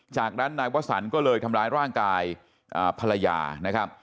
จากนั้นนายวสันก็เลยทำร้ายร่างกายภรรยานะครับ